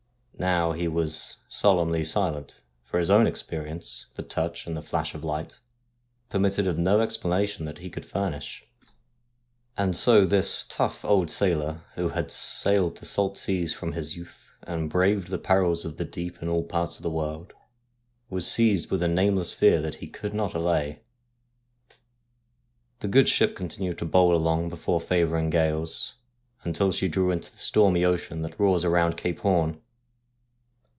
Now he was solemnly silent, for his own experience — the touch and the flash of light — permitted of no explanation that he could furnish. And so this tough old sailor, who had sailed the salt seas from his youth, and braved the perils of the deep in all parts of the world, was seized with a name less fear that he could not allay. The good ship continued to bowl along before favouring gales until she drew into the stormy ocean that roars around Cape Horn.